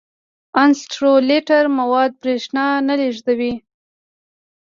انسولټر مواد برېښنا نه لیږدوي.